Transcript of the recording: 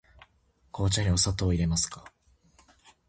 紅茶にお砂糖をいれますか。